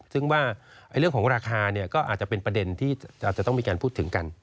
ซึ่งว่าเรื่องของราคาก็อาจจะเป็นประเด็นที่อาจจะต้องมีการพูดถึงกัน